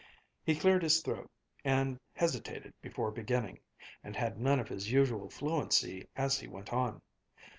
He cleared his throat, and hesitated before beginning, and had none of his usual fluency as he went on.